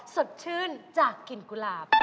สดชื่นจากกลิ่นกุหลาบ